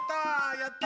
やった！